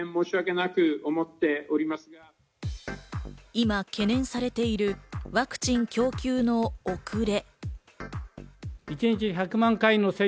今、懸念されているワクチン供給の遅れ。